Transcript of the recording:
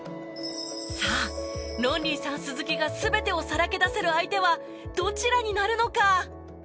さあロンリーさん鈴木が全てをさらけ出せる相手はどちらになるのか？